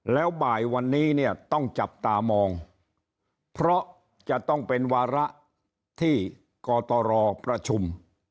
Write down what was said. แล้วบ่ายวันนี้เนี่ยต้องจับตามองเพราะจะต้องเป็นวาระที่กตรประชุม